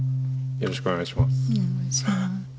よろしくお願いします。